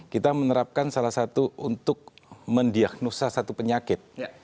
kita menerapkan salah satu untuk mendiagnosa satu penyakit